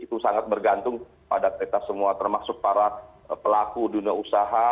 itu sangat bergantung pada kita semua termasuk para pelaku dunia usaha